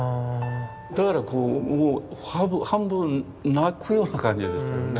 だからこうもう半分泣くような感じでしたよね。